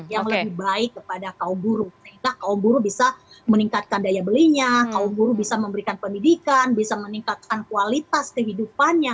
yang lebih baik kepada kaum buruh sehingga kaum buruh bisa meningkatkan daya belinya kaum buruh bisa memberikan pendidikan bisa meningkatkan kualitas kehidupannya